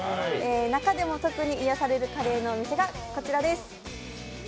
中でも特に癒やされるカレーのお店がこちらです。